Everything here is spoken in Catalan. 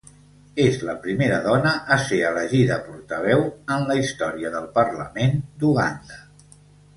És la primera dona a ser elegida portaveu en la història del Parlament d'Uganda.